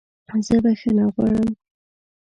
زه بخښنه غواړم!